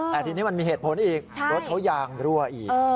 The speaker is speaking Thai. แต่ทีนี้มันมีเหตุผลอีกรถเขายางรั่วอีก